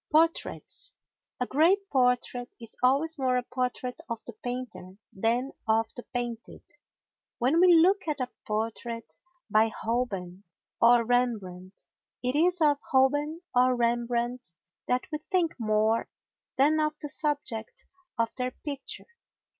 Portraits A great portrait is always more a portrait of the painter than of the painted. When we look at a portrait by Holbein or Rembrandt it is of Holbein or Rembrandt that we think more than of the subject of their picture.